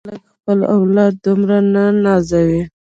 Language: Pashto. ياره خلک خپل اولاد دومره نه نازوي.